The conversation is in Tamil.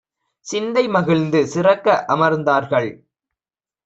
சிந்தை மகிழ்ந்து சிறக்க அமர்ந்தார்கள்.